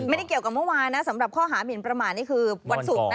ไม่ได้เกี่ยวกับเมื่อวานนะสำหรับข้อหามินประมาทนี่คือวันศุกร์นะ